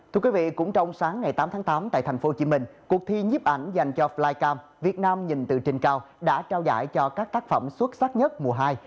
thưa quý vị cũng trong sáng ngày tám tháng tám tại tp hcm cuộc thi nhiếp ảnh dành cho flycam việt nam nhìn từ trên cao đã trao giải cho các tác phẩm xuất sắc nhất mùa hai